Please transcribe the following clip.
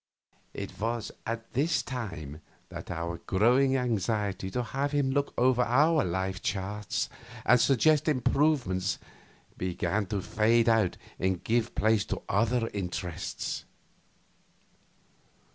It was at this time that our growing anxiety to have him look over our life charts and suggest improvements began to fade out and give place to other interests.